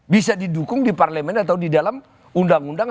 bisa didukung di parlemen atau di dalam undang undang